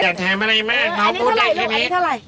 อยากแทนอะไรไหมน้องปูนไอ้ทีมิตรอันนี้เท่าไร